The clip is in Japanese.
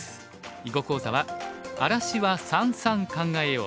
囲碁講座は「荒らしは三々考えよう」。